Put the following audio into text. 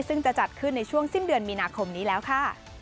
ซึ่งจะจัดขึ้นในช่วงสิ้นเดือนมีนาคมนี้แล้วค่ะ